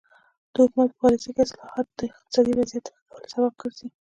د حکومت په پالیسۍ کې اصلاحات د اقتصادي وضعیت د ښه کولو سبب ګرځي.